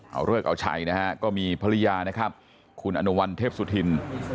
เอาเลิกเอาชัยนะฮะก็มีภรรยานะครับคุณอนุวัลเทพสุธิน